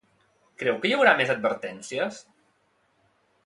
Creu que hi haurà més advertències?